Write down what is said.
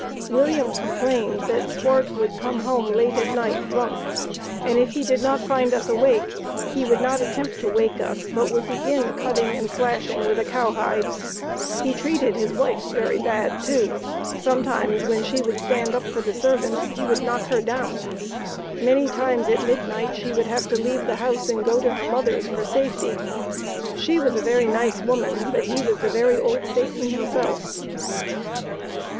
William complained that Swart "would come home late at night drunk, and if he did not find us awake he would not attempt to wake us, but would begin cutting and slashing with a cowhide. He treated his wife very bad too; sometimes when she would stand up for the servants he would knock her down. Many times at midnight she would have to leave the house and go to her mother's for safety; she was a very nice woman, but he was the very old Satan himself."